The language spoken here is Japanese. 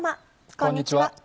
こんにちは。